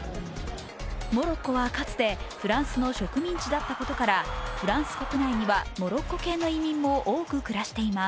モロッコはかつてフランスの植民地だったことからフランス国内にはモロッコ系の移民も多く暮らしています。